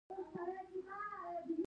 هغه دا پنځه اصول د ځان په ګټه بولي.